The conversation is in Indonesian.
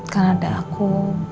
kan ada aku